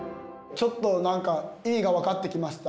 ちょっと何か意味が分かってきました。